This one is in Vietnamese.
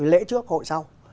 lễ trước hội sau